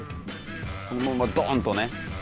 このまんまどーんとね。